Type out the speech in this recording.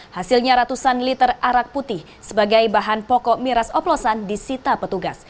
hasilnya ratusan liter arak putih sebagai bahan pokok miras oplosan disita petugas